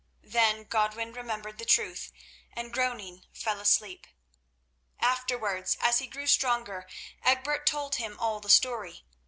Then Godwin remembered the truth, and groaning, fell asleep. Afterwards, as he grew stronger, Egbert told him all the story.